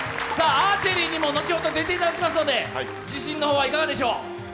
アーチェリーにも後ほど出ていただきますので自信のほどはいかがでしょう？